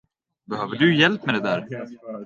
Behöver du hjälp med det där?